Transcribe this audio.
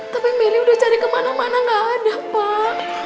tapi miri udah cari kemana mana gak ada pak